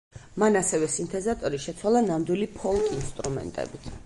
მან ასევე სინთეზატორი შეცვალა ნამდვილი ფოლკ ინსტრუმენტებით.